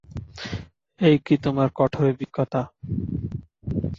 এই কি তোমার কঠোর অভিজ্ঞতা।